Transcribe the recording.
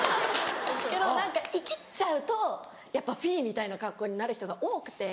けど何かイキっちゃうとやっぱふぃーみたいな格好になる人が多くて。